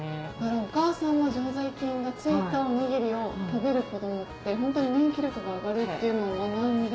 お母さんの常在菌がついたおにぎりを食べる子どもってホントに免疫力が上がるっていうのを学んで。